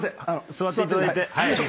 座っていただいて。